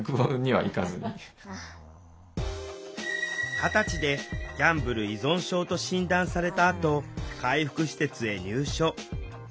二十歳でギャンブル依存症と診断されたあと回復施設へ入所。